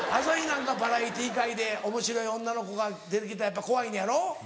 朝日なんかバラエティー界でおもしろい女の子が出て来たらやっぱ怖いのやろ？